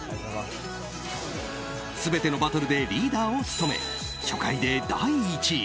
全てのバトルでリーダーを務め初回で第１位。